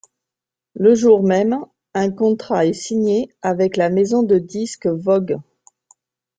Le jour même, un contrat est signé avec la maison de disque Vogue.